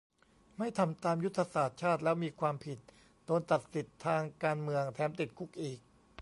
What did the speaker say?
ไม่ทำตามยุทธศาสตร์ชาติแล้วมีความผิด โดนตัดสิทธิ์ทางการเมือง แถมติดคุกอีก